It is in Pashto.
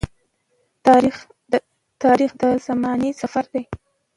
تاریخ د زمانې سفر دی.